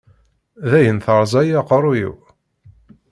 Dayen, terẓa-yi aqerru-iw.